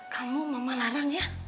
kamu mama larang ya